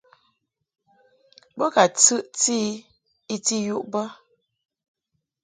Bo ka tɨʼti I I ti yuʼ bə.